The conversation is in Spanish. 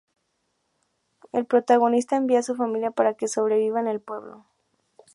El protagonista envía a su familia para que sobreviva en el pueblo.